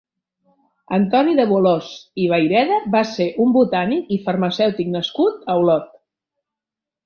Antoni de Bolòs i Vayreda va ser un botànic i farmacèutic nascut a Olot.